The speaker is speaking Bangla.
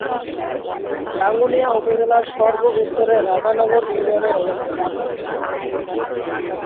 রাঙ্গুনিয়া উপজেলার সর্ব-উত্তরে রাজানগর ইউনিয়নের অবস্থান।